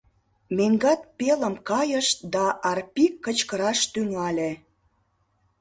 Меҥгат пелым кайышт да Арпик кычкыраш тӱҥале: